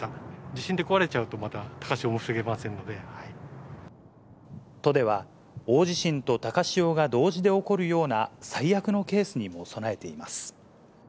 地震で壊れちゃうと、都では、大地震と高潮が同時で起こるような最悪のケースにも備えています。